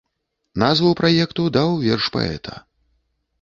Назву праекту даў верш паэта.